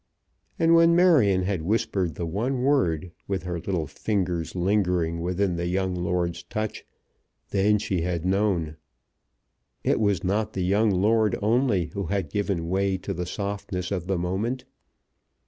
And when Marion had whispered the one word, with her little fingers lingering within the young lord's touch, then she had known. It was not the young lord only who had given way to the softness of the moment.